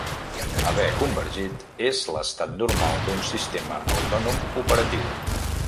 Haver convergit és l'estat normal d'un sistema autònom operatiu.